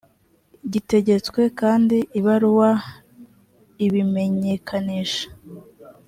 gitegetswe kandi ibaruwa ibimenyekanisha